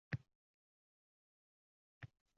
Shayton kimsalarga o’ralashmang ko’p.